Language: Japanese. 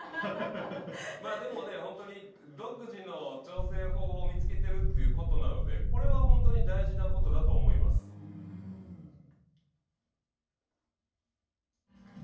まあでも本当に独自の調整法を見つけてるということなのでこれは本当に大事なことだと思います。